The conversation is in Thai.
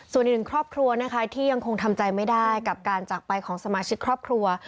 ส่วนอีกหนึ่งครอบครัวนะคะที่ยังคงทำใจไม่ได้กับการจากไปของสมาชิกครอบครัว